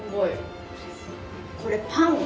これ、パン？